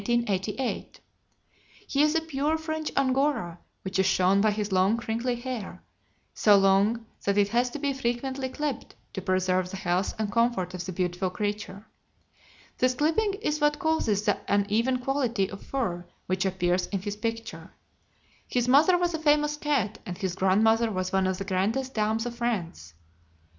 He is a pure French Angora, which is shown by his long crinkly hair so long that it has to be frequently clipped to preserve the health and comfort of the beautiful creature. This clipping is what causes the uneven quality of fur which appears in his picture. His mother was a famous cat, and his grandmother was one of the grandest dams of France (no pun intended).